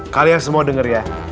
kalian semua denger ya